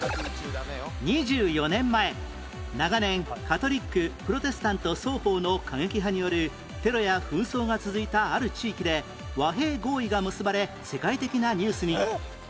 ２４年前長年カトリックプロテスタント双方の過激派によるテロや紛争が続いたある地域で和平合意が結ばれ世界的なニュースに